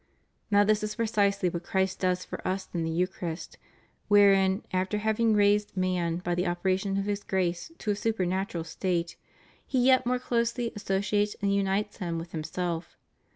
Now this is precisely what Christ does for us in the Eucharist, wherein, after having raised man by the operation of His grace to a supernatural »tate, THE MOST HOLY EUCHARIST. 523 He yet more closely associates and unites him with Himself.